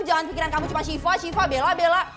jangan pikiran kamu cuma syifa syifa bella bella